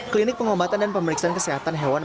klinik pengobatan dan pemeriksaan kesehatan hewan